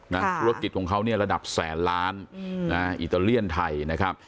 ธุรกิจของเขาเนี่ยระดับแสนล้านอิตาเลียนไทยนะครับ